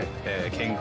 健康？